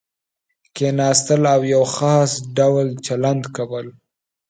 کېناستل او یو خاص ډول چلند کول.